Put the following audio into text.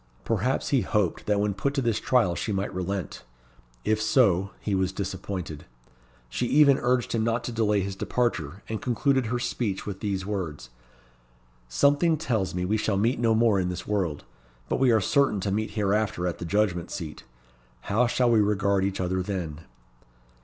Perhaps he hoped that when put to this trial she might relent. If so, he was disappointed. She even urged him not to delay his departure, and concluded her speech with these words "Something tells me we shall meet no more in this world. But we are certain to meet hereafter at the Judgment Seat. How shall we regard each other then?"